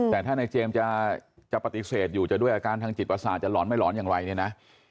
แต่ถ้าในเจมส์จะปฏิเสธอยู่จะด้วยอาการทางจิตประสาทจะหลอนไม่หลอนอย่างไรเนี่ยนะ